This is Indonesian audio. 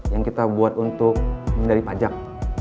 yang kita buat untuk menghindari pajak